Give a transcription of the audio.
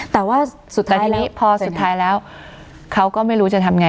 แต่ว่าสุดท้ายทีนี้พอสุดท้ายแล้วเขาก็ไม่รู้จะทำไง